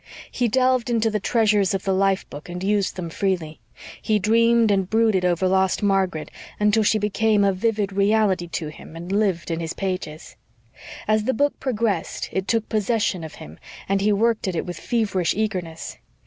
He delved into the treasures of the life book and used them freely. He dreamed and brooded over lost Margaret until she became a vivid reality to him and lived in his pages. As the book progressed it took possession of him and he worked at it with feverish eagerness.